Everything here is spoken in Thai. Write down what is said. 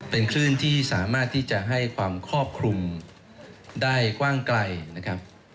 เป็นคลื่นที่สามารถที่จะให้ความครอบคลุมได้กว้างไกลนะครับ